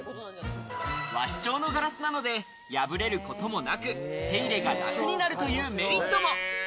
和紙調のガラスなので、破れることもなく、手入れが楽になるというメリットも。